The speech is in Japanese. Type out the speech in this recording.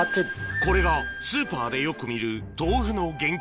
これがスーパーでよく見る豆腐の原型